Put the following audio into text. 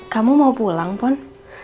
kamu mau pulang pon